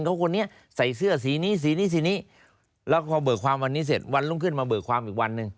เหตุเกิด